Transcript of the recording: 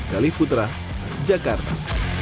dali putra jakarta